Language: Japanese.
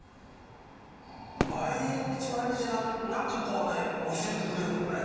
毎日毎日何かこうね教えてくれるのね。